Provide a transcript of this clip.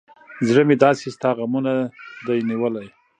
زړه مې داسې ستا غمونه دى نيولى.